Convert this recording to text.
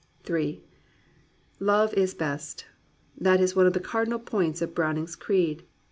m "Love is best!" That is one of the cardinal points of Browning*s creed.